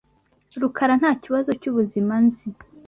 Rukara ntakibazo cyubuzima nzi.